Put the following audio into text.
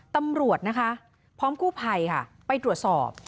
ตำรวจพร้อมคู่ภัยไปตรวจสอบ